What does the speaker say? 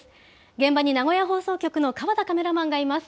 現場に名古屋放送局の川田カメラマンがいます。